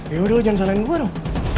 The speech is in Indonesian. yaudah lo jangan salahin gue dong